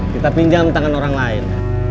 kita pinjam tangan orang lain